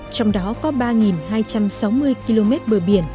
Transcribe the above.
trong đó có ba hai trăm sáu mươi km bờ biển tương lai